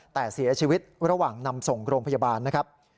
แต่เสียชีวิตระหว่างนำส่งโรงพยาบาลนะครับ